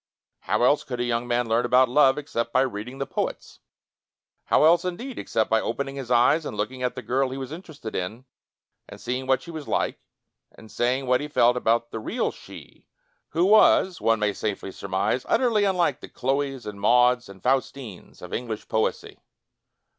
How else could a young man learn about love, except by reading the poets? How else, indeed, except by opening his eyes and looking at the girl he was interested in and seeing what she was like, and saying what he felt about the real "she" — ^who was, one may safely surmise, utterly unlike the Ghloes and Mauds and Faustines of English poesy